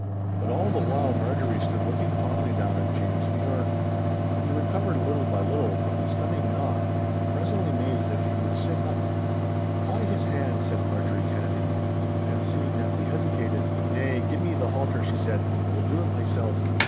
But all the while Marjorie stood looking calmly down at James Mure. He recovered little by little from the stunning knock, and presently made as if he would sit up. 'Tie his hands,' said Marjorie Kennedy. And then seeing that we hesitated—'nay, give me the halter,' she said, 'I will do it myself.